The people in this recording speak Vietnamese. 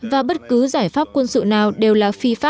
và bất cứ giải pháp quân sự nào đều là phi pháp